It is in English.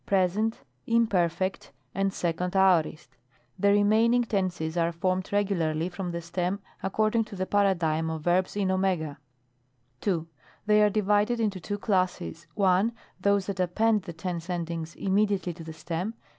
Present, Imperfect, and 2d Aorist; the remaining tenses are formed regularly from the stem according to the Paradigm of verbs in cd. 2. They are divided into two classes: — ^I. Those that append the tense endings immediately to the stem.